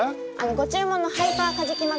ご注文のハイパーカジキマグロ丼